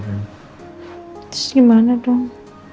terus gimana dong